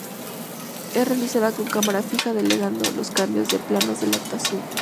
Es realizada con cámara fija delegando los cambios de planos a la actuación.